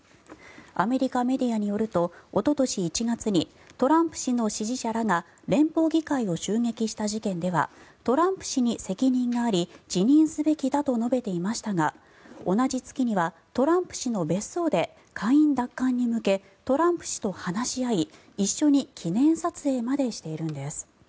アメリカメディアによるとおととし１月にトランプ氏の支持者らが連邦議会を襲撃した事件ではトランプ氏に責任があり辞任すべきだと述べていましたが同じ月にはトランプ氏の別荘で下院奪還に向けトランプ氏と話し合い一緒に記念撮影までしているんです。